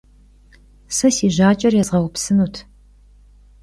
Se si jaç'er yêzğeupsınut.